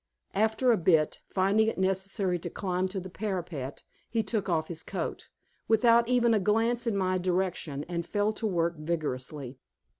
After a bit, finding it necessary to climb to the parapet, he took off his coat, without even a glance in my direction, and fell to work vigorously.